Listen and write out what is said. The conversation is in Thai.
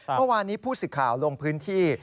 เมื่อวานนี้ผู้สิทธิ์ข่าวลงพื้นที่